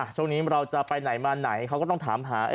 ช่วงนี้เราจะไปไหนมาไหนเขาก็ต้องถามหา